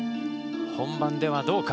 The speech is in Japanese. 本番ではどうか。